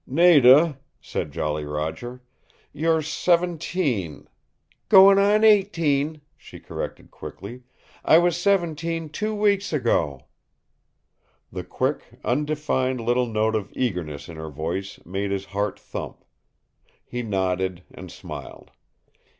"Nada," said Jolly Roger. "You're seventeen " "Goin' on eighteen," she corrected quickly. "I was seventeen two weeks ago!" The quick, undefined little note of eagerness in her voice made his heart thump. He nodded, and smiled.